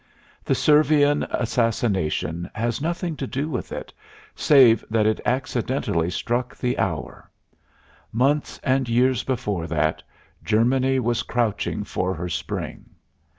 The Servian assassination has nothing to do with it, save that it accidentally struck the hour. Months and years before that, Germany was crouching for her spring.